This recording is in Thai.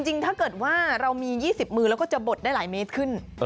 จริงถ้าเกิดว่าเรามี๒๐มือเราก็จะบดได้หลายเมตรขึ้น